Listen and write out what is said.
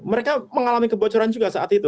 mereka mengalami kebocoran juga saat itu